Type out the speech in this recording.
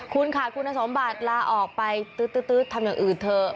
คุณขาดคุณสมบัติลาออกไปตื๊ดทำอย่างอื่นเถอะ